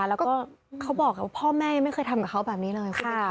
แล้วก็เขาบอกพ่อแม่ยังไม่เคยทำกับเขาแบบนี้เลยคุณ